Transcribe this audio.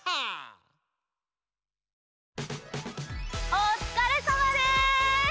おつかれさまです！